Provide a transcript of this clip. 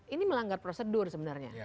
ini melanggar prosedur sebenarnya